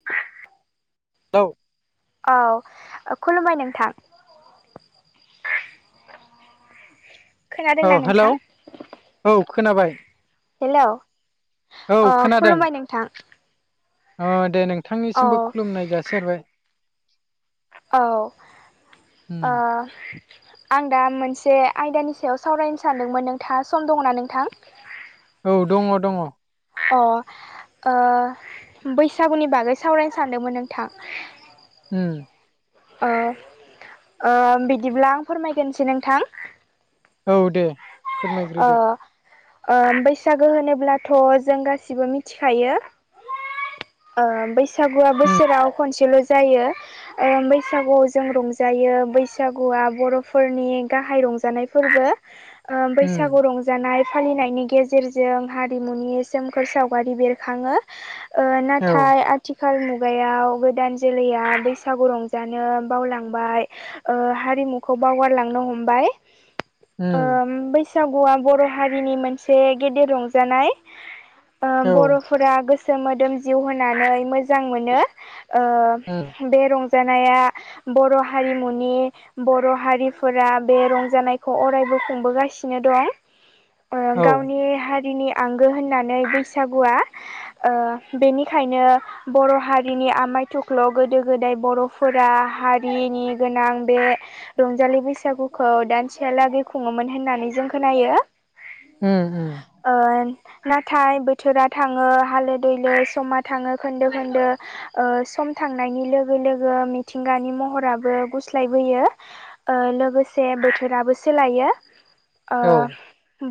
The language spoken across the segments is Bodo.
[inaudible] हेल औ खुलुमबाय नोंथां [inaudible] औ हेल' नोंथां औ खोनाबाय हेल' औ अ खोनादों खुलुमबाय नोंथां अ दे औ नोंथांनिसिमबो खुलुमनाय जासिहरबाय औ उम आं दा मोनसे आयदानि सायाव सावरायनो सानदोंमोन नोंथा सम दङना नोंथां [unintelligible] औ दङ दङ अ बैसागुनि बागै सावरायनो सानदोंमोन नोंथां हम बिदिब्ला आं फोरमायगोनसै नोंथां औ दे फोरमायग्रोदो अ बैसागो होनोब्लाथ' जों गासिबो मिथिखायो बैसागुआ उम बोसोराव खनसेल' जायो ओ बैसागुआव जों रंजायो बैसागुआ बर'फोरनि गाहाय रंजानाय फोरबो ओ उम बैसागु रं जानाय फालिनायनि गेजेरजों हारिमुनि सोमखोर सावगारि बेरखाङो। ओ औ नाथाय आ थिखाल मुगायाव गोदान जोलैया बैसागु रंजानो बावलांबाय। ओ हारिमुखौ बावगारलांनो हमबाय। उम बैसागुआ बर' हारिनि मोनसे गेदेर रंजानाय औ बर'फोरा गोसो मोदोम जिउ होनानै मोां मोजां मोनो उम बे रंजानाया बर' हारिमुनि बर' हारिफोरा बे रंजानायखौ अरायबो खुंबोगासिनो दं औ गावनि हारिनि आंगो होननानै बैसागुआ बेनिखायनो बर' हारिनि आमाय थुख्ल' गोदो गोदाय बर'फोरा हारिनि गोनां बे रंजालि बैसागुखौ दानसेयालागै खुङोमोन होननानै जों खोनायो। ओम ओम। ओ नाथाय बोथोरा थाङो हालो दै लो समा थाङो खोन्दो खोन्दो ओ सम थांनायनि लोगो लोगो मिथिंगानि महराबो गुस्लायबोयो। ओ लोगोसे बोथोराबो सोलायो ओ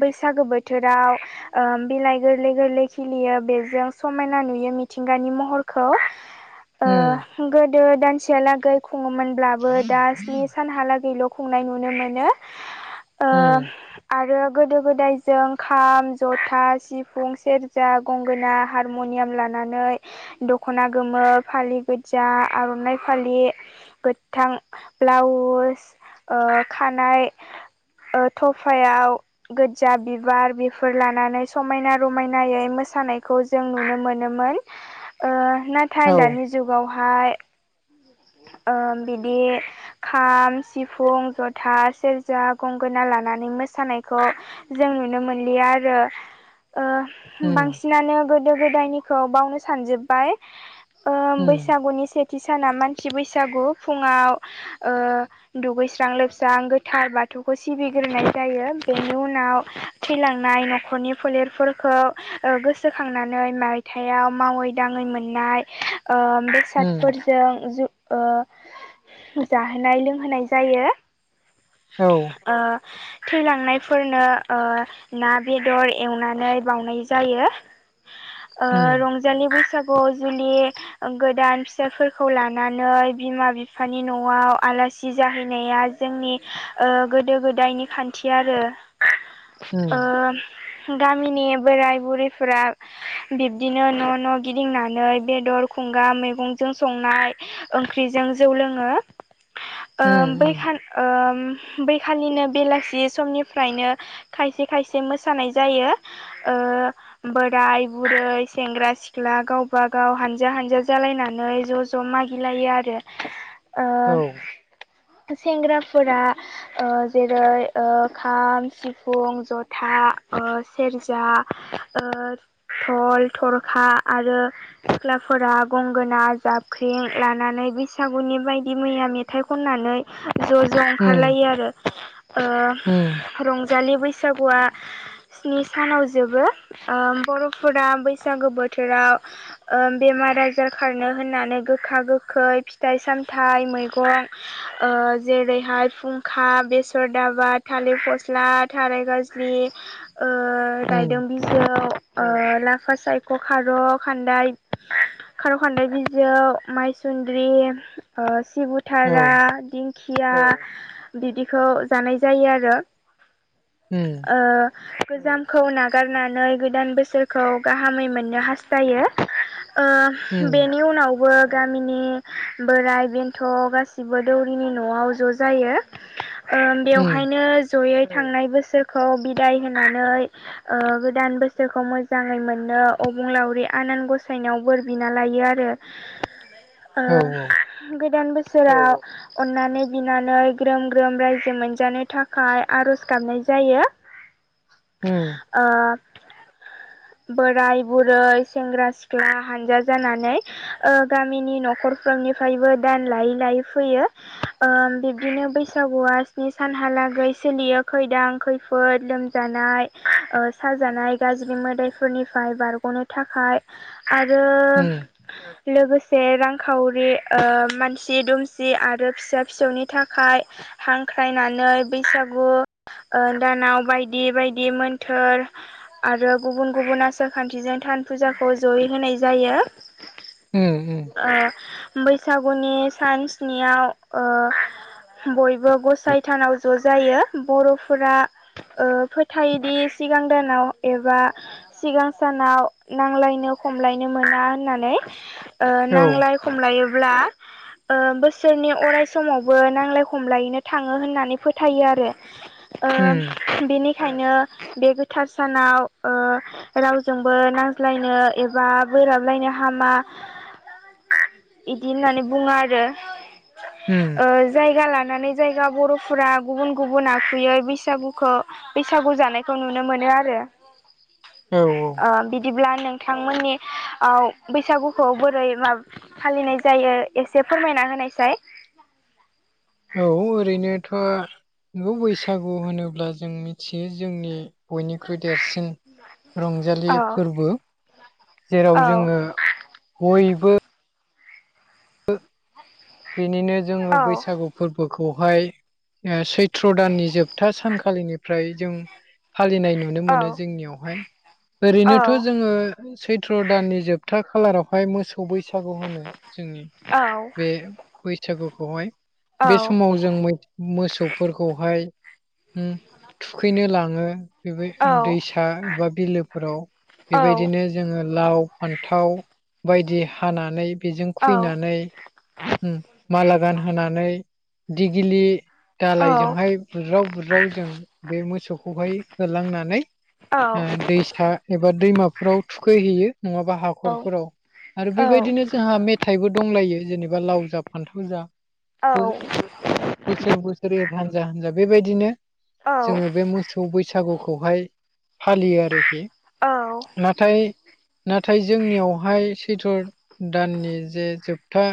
बैसागो बोथोराव ओ बिलाइ गोरलै गोरलै खिलियो बेजों समायना नुयो मिथिंगानि महरखौ। ओ ओम। गोदो दानसेयालागै खुङोमोनब्लाबो दा स्नि सानहालागैल' खुंनाय नुनो मोनो। उम आरो गोदो गोदायजों खाम, जथा, सिफुं, सेरजा, गंगोना हारम'नियाम लानानै दख'ना गोमो फालि गोजा आर'नाइ फालि गोथां ब्लाउस ओ खानाय ओ थफायाव गोजजा बिबार बेफोर लानानै समायना रमायनायै मोसानायखौ जों नुनो मोनोमोन ओ औ नाथाय दानि जुगावहाय ओ बिदि खाम, सिफुं, जथा, सेरजा, गंगोना लानानै मोसानायखौ जों नुनो मोनलिया आरो ओ उम बांसिनानो गोदो गोदायनिखौ बावनो सानजोब्बाय। ओ उम औ उम बैसागुनि सेथि साना मानसि बैसागु फुङाव ओ दुगैस्रां लोबस्रां गोथार बाथौखौ सिबिग्रोनाय जायो बेनि उनाव थैलांनाय न'खरनि फोलेरफोरखौ गोसोखांनानै मायथायाव मावै दाङै मोननाय उम बेसादफोरजों जु ओ जाहोनाय लोंहोनाय जायो। औ। ओ थैलांनायफोरनो ओ ना बेदर एवनानै बावनाय जायो। ओ उम रंजालि बैसागुआव जुलि गोदान फिसाफोरखौ ला नानै बिमा बिफानि न'आव आलासि जाहैनाया जोंनि ओ गोदो गोदायनि खान्थि आरो ओ उम गामिनि बोराय बुरैफोरा बिब्दिनो न' न' गिदिंनानै बेदर खुंगा मैगंजों संनाय ओंख्रिजों जौ लोङो ओ उम बै उम सा ओ बैखालिनो बेलासि समनिफ्रायनो खायसे खायसे मोसानाय जायो। ओ बोराय बुरै सेंग्रा सिख्ला गावबा गाव हानजा हानजा जालायनानै ज' ज' मा गिलायो आरो औ ओ सेंग्राफोरा ओ जेरै ओ खाम सिफुं जथा ओ सेरजा ओ थल थरखा आरो सिख्लाफोरा गंगोना जाबख्रिं लानानै बैसागुनि बायदि मैया मेथाइ खननानै ज' ज उम ओंखारलायो आरो उम रंजालि बैसागुआ स्नि सानाव जोबो बर'फोरा बैसागो बोथोराव बेमार आजार खारनो होननानै गोखा गोखै फिथाइ सामथाइ मैगं जेरैहाय फुंखा बेसर दाबा थालिर फस्ला थाराय गाज्रि रायदों उम बि खायाव लाफा सायख' खार' खान्दाय खार' खान्दाय बिजौ माइसुन्द्रि औ सिबुथारा खिया बिदिखौ जानाय जायो आरो ह ओ गोजामखौ नागारनानै गोदान बोसोरखौ गाहामै मोननो हास्थायो उम बेनि उनावबो गामिनि बोराय बेन्थ' गासिबो दौरिनि न'आव ज' जायो उम बेवहायनो जयै थांनाय बोसोरखौ बिदाय होनानै गोदान बोसोरखौ मोजाङै मोनो अबुंलावरि आनान गसायनायाव बोर बिना लायो आरो औ औ गोदान बोसोराव अन्नानै बिनानै ग्रोम ग्रोम रायजो मोनजानो थाखाय आर'ज गाबनाय जायो [inaudible] [inaudible] ओ बोराय बुरै सेंग्रा सिख्ला हानजा जानानै गामिनि न'खरफोरनिफ्रायबो दान लायै लायै फैयो बिब्दिनो बैसागुआ स्नि सानहालागै सोलियो खैदां खैफोदोम जानाय साजानाय गाज्रि मोदायफोरनिफ्राय बारग'नो थाखाय आरो लोगोसे रांखावरि मानसि दुमसि आरो फिसा फिसौनि थाखाय हांख्रायनानै बैसागु दानाव बायदि बायदि मोन्थोर आरो गुबुन गुबुन आसार खान्थिजों थान फुजाखौ जयै होनाय जायो म बैसागुनि सान सनियाव बयबो गसाइथानाव ज' जायो बर'फोरा फोथायोदि सिगां दानाव एबा सिगां सानाव नांलायनो खमलायनो मोना होननानै औ नांलाय खमलायोब्ला। बोसोरनि अराय समावबो नांजलाय खमलायैनो थाङो होननानै फोथायो आरो उम बेनिखायनो बे गोथार सानाव रावजोंबो नांज्लायनो एबा बोराबलायनो हामा बिदि होननानै बुङो आरो ह जायगा लानानै जायगा बर'फोरा गुबुन गुबुन आखुयै बैसागुखौ बैसागु जानायखौ नुनो मोनो आरो औ ओ बिदिब्ला नोंथांमोननि बैसागु खौ बोरै मा फालिनाय जायो एसे फोरमायना होनायसाय औ ओरैनोथ' नगौ बैसागु होनोब्ला जों मिथियो जोंनि बयनिख्रुइ देरसिन रंजालि औ फोरबो जेराव औ जोङो बयबो। बेनिनो जोङो औ बैसागु फोरबोखौहाय सैथ्र' दाननि जोबथा सानखालिनिफ्राय जों फालिनाय नुनो औ मोनो जोंनियावहाय ओरैनोथ' जोङो सैथ्र दाननि जोब सपथा खालारावहाय मोसौ बैसागु होनो जोंनि बे बैसागुखौहाय बे औ समाव जों मोसौफोरखौहाय थुखैनो लाङो। बे औ औ दैसा बा बिलोफोराव औ औ बेबायदिनो जोङो लाव फान्थाव बायदि हानानै बेजों औ खैनानै माला गान होनानै दिगिलि औ दालायजोंहाय बुरदज्राव बुद्राव जों बे मोसौखौहाय होलांनानै औ औ ओ दैसा एबा दैमाफोराव थुखैहैयो नङाबा हाखरफोराव आरो बेबायदिनो जोंहा। फिथाइबो दंलायो जेनेबा लाव जा फान्थाव जा बोसोर बोसोरै हान्जा हानजा बेबायदिनो जोङो औ बे मोस मोसौ बैसागुखौहाय फालियो आरोखि औ नाथाय नाथाय जोंनियावहाय सैथ' दाननि जे जोबथा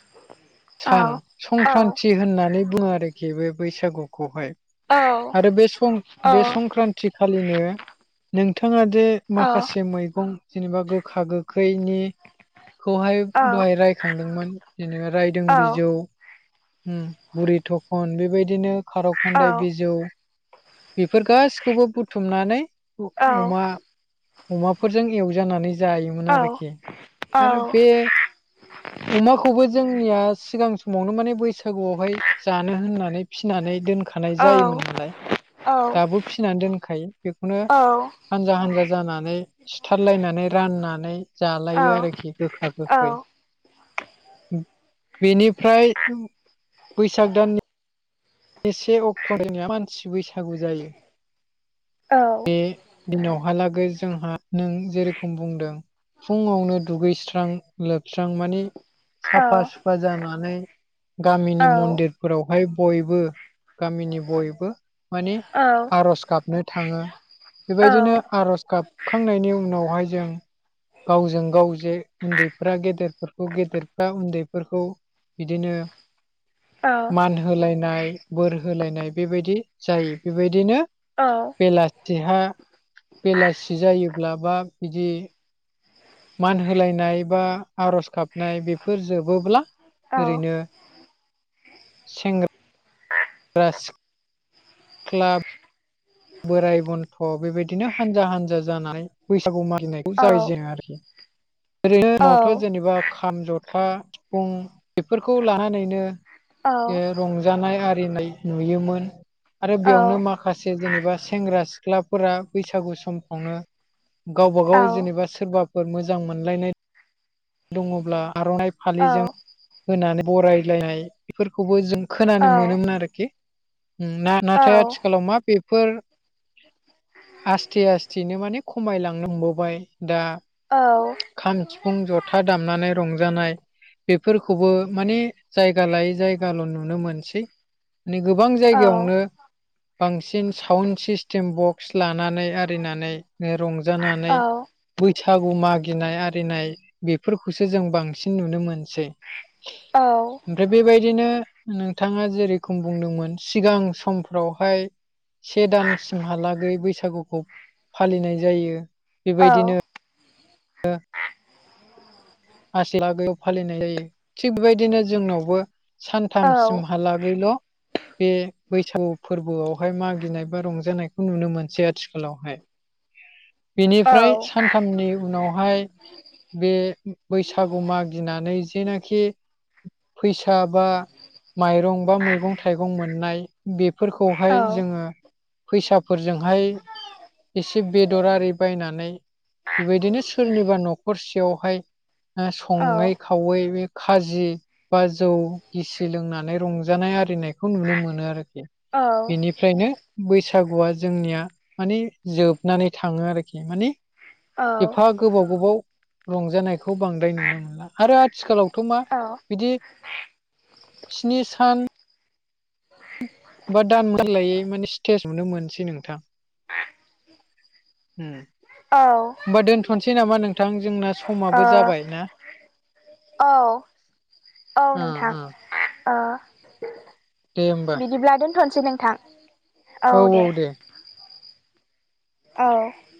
[unintelligible] सान संक्रान्ति होननानै बुङो आरोखि बे बैसागुखौहाय आरो बे सं बे संक्रान्ति खालिनो नोंथाङा जे माखासे मैगं जेनेबा गोखा गोखैनिखौहाय दहाय रायखांदोंमोन। जेनेबाय औ बिजौ बुरि थखन बेबायदिनो खारौ औ खान्दाय बिजौ बेफोर गाैखौबो बुथुमनानै। औ अमा अमाफोरजों एवजानानै जायोमोन आरोखि आरो बे अमाखौबो जों जोंनिया सिगां समावनो माने बैसागुआवहाय जानो होननानै फिनानै दोनख थानाय जायोमोन नालाय दाबो फिसिनानै दोनखायो बेखौनो हानजा हानजा जानानै सिथारलायनानै राननानै जालायो आरोखि गोखा गोखै बेनिफ्राय बैसाग दाननि बेसे अक्ट' दनिया मानसि बैसागु जायो औ बे दिनावहालागै जोंहा नों जेरोखम बुंदों फुङावनो दुगैस्रां लोबस्रां माने साफा सुफा जानानै गामिनि मन्दिरफोरावहाय बयबो। गामिनि बयबो मानिे आर'ज गाबनो थाङो। बेबायदिनो आरज गाबखांनायनि उनावहाय जों- गावजों गाव जे उन्दैफ्रा गेदेरफोरखौ, गेदेरफ्रा उन्दैफोरखौ- बिदिनो मान होलायनाय। बोर होलायनाय बेबायदि जायो बेबायदिनो। औ बेलाथिहा बेलासि जायोब्ला बा बिदि। मान होलायनाय बा आर'ज गाबनाय बेफोर जोबोब्ला- ओरैनो सेंग्रा, बास क्लाब बोराय बन्थ' बेबायदिनो हानजा हानजा जानानै बैसागु मागिनायखौ जागाय देशों आरोखि। ओरै समावथ' जेनेबा खाम, जथा- फुं बेफोरखौ लानानैनो बे रंजानाय आरिनाय नुयोमोन आरो बेयावनो माखासे जेनोबा एबा सेंग्रा सिख्लाफोरा बैसागु समफ्रावनो गावबा गाव जेनेबा सोरबाफोर मोजां मोनलायनाय- दङब्ला आर'नाइ फालिजों- होनानै बरायलायनाय बेफोरखौबो जों खोनानो मोनोमोन आरोखि ना। नाथाय आथिखालाव मा बेफोर आसस्थे आस्थेनो माने खमायलांनो हमबोवबाय दा। औ । फुं जथा दामनानै रंजानाय। बेफोरखौबो माने जायगा लायै जायगाल' नुनो मोनसै। मे गोबां जायगायावनो बांसिन साउन्ड सिस्टेम बक्स लानानै आरिनानै रंजानानै बैसागु मागिनाय आरिनाय बेफोरखौसो जों बांसिन नुनो मोनसै। औ । ओमफ्राय बेबायदिनो नोंथाङा जेरोखम बुंदोंमोन सिगां समफ्रावहाय से दानसिमहालागै बैसागुखौ फालिनाय जायो बेबायदिनो। [inaudible] आ लागैयाव फालिनाय जायो। थिग बेबायदिनो जोंनावबो सानथामसिमहाला गैल' बे बैसागु फोरबोआवहाय मागिनाय बा रंजानायखौ नुनो मोनसै आथिखालावहाय। [inaudible] बेनिफ्राय सानथामनि उनावहाय बे- बैसागु मागिनानै जेनाखि फैसा बा माइरं बा, मैगं थाइगं मोननाय बेफोरखौहाय जोङो फैसाफोरजोंहाय एसे बेदर आरि बायनानै बेबायदिनो सोरनिबा न'खरसेयावहाय सङै खावै बे खाजि बा जौ गिसि लोंनानै रंजानाय आरिनायखौ नुनो मोनो आरोखि। बिनिफ्रायनो बैसागुआ जोंनिया माने जोबनानै थाङो आरोखि माने एफा गोबाव गोबाव रंजानायखौ खौ बांद्राय नुनो मोनला आरो आथिखालावथ' मा बिदि स्नि सान बा दान मोनलायै माने स्टेज मोननो मोनसै नोंथां। ओम होनमबा दोनथ'नोसै नामा नोंथां जोंना समाबो जाबाय ना। औ औ ओ नोंथां। ओ दे होमबा बिदिब्ला दोनथ'नोसै नोंथां औ औ दे । औ ।